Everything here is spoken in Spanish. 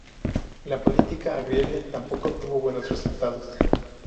La política agraria tampoco obtuvo buenos resultados.